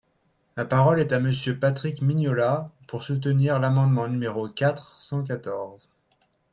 La parole est à Monsieur Patrick Mignola, pour soutenir l’amendement numéro quatre cent quatorze.